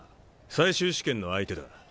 最終試験の相手だ。